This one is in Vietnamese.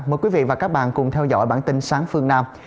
mời quý vị và các bạn cùng theo dõi bản tin sáng phương nam